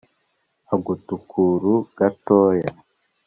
agatukuru gatoya